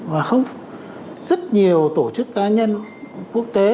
và rất nhiều tổ chức cá nhân quốc tế